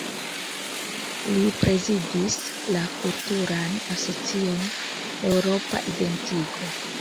Li prezidis la kulturan asocion Eŭropa Identigo.